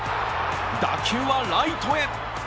打球はライトへ。